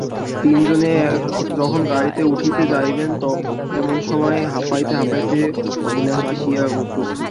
তিনজনে যখন গাড়িতে উঠিতে যাইবেন এমন সময় হাঁপাইতে হাঁপাইতে অবিনাশ আসিয়া উপস্থিত।